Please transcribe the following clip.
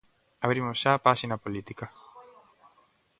Abrimos xa páxina política.